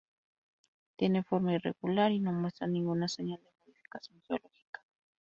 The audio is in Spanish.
Tiene forma irregular y no muestra ninguna señal de modificación geológica.